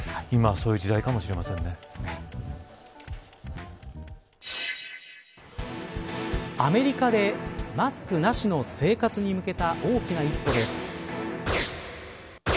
今はアメリカでマスクなしの生活に向けた大きな一歩です。